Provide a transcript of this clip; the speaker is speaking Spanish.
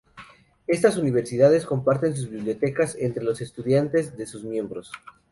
Estas universidades comparten sus bibliotecas entre los estudiantes de sus miembros.